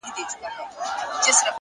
زحمت د بریا د کښت اوبه دي,